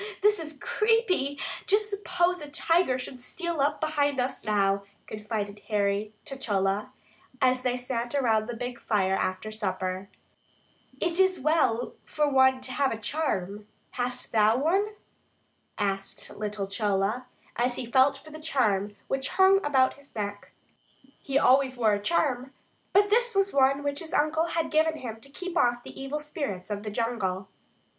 this is creepy. Just suppose a tiger should steal up behind us now," confided Harry to Chola, as they sat around the big fire after supper. "It is well to have a charm; hast thou one?" asked little Chola, as he felt for the charm which hung about his neck. He always wore a charm, but this was one which his uncle had given him to keep off the evil spirits of the jungle.